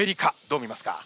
どう見ますか？